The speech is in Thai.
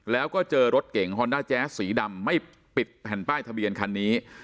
แล้วก็เจอรถเก่งฮอนด้าแจ๊สสีดำไม่ปิดแผ่นป้ายทะเบียนคันนี้